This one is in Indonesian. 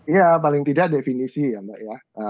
ya paling tidak definisi ya mbak ya